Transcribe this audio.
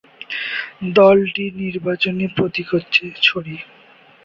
দলটির নির্বাচনী প্রতীক হচ্ছে ছড়ি।